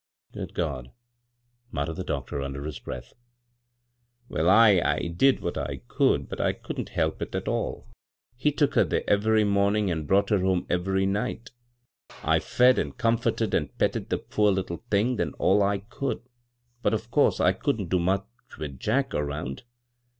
" Good God !" muttered the doctor under his breath. " Well, I— I did what I could, but I couldn't help it at all. He took her there ev'ry momin' an' brought her home ev'ry night I fed an' comforted an' petted the poor little thing then all 1 could, but of course I couldn't do much with Jack 'round.